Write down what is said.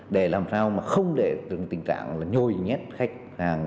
để làm sao mà không để tình trạng nhồi nhét khách hàng